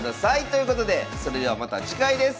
ということでそれではまた次回です。